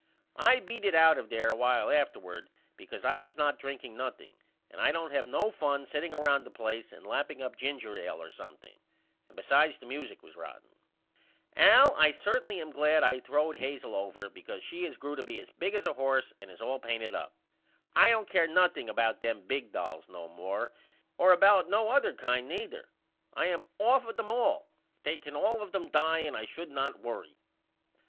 I beat it out of there a while afterward because I was not drinking nothing and I don't have no fun setting round a place and lapping up ginger ail or something. And besides the music was rotten. Al I am certainly glad I throwed Hazel over because she has grew to be as big as a horse and is all painted up. I don't care nothing about them big dolls no more or about no other kind neither. I am off of them all. They can all of them die and I should not worry.